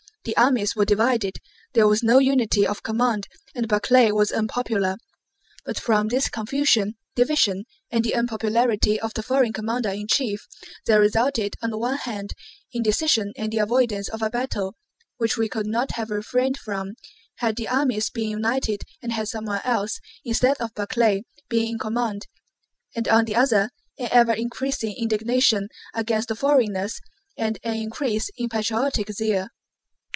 The armies were divided, there was no unity of command, and Barclay was unpopular; but from this confusion, division, and the unpopularity of the foreign commander in chief, there resulted on the one hand indecision and the avoidance of a battle (which we could not have refrained from had the armies been united and had someone else, instead of Barclay, been in command) and on the other an ever increasing indignation against the foreigners and an increase in patriotic zeal.